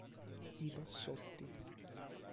I Bassotti".